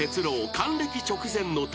還暦直前の旅